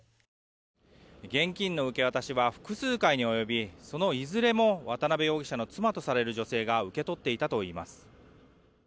現金の受け渡しは複数回に及びそのいずれも渡邉容疑者の妻とされる女性が受け取っていたといいます。